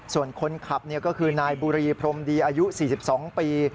ส่วนคนขับก็คือนายบุรีพรมดีอายุ๔๒ปี